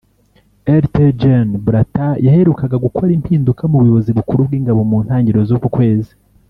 Lt-Gen Buratai yaherukaga gukora impinduka mu buyobozi bukuru bw’ingabo mu ntangiriro z’uku kwezi